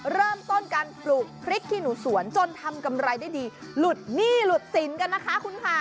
เริ่มต้นการปลูกพริกขี้หนูสวนจนทำกำไรได้ดีหลุดหนี้หลุดสินกันนะคะคุณค่ะ